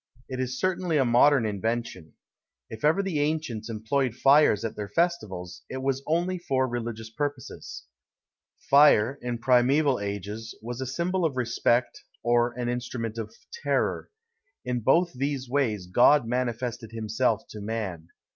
It is certainly a modern invention. If ever the ancients employed fires at their festivals, it was only for religious purposes. Fire, in primÃḊval ages, was a symbol of respect, or an instrument of terror. In both these ways God manifested himself to man.